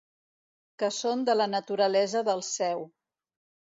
Que són de la naturalesa del sèu.